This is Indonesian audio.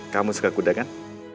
kamu suka kuda kan